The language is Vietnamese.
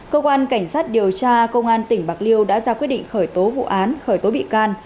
cơ quan cảnh sát điều tra công an tỉnh bạc liêu đã ra quyết định khởi tố vụ án khởi tố bị can